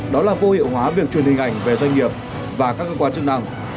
đó là vô hiệu hóa việc truyền hình ảnh về doanh nghiệp và các cơ quan chức năng